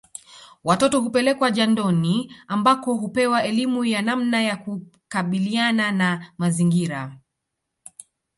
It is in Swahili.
Watoto hupelekwa jandoni ambako hupewa elimu ya namna ya kukabiliana na mazingira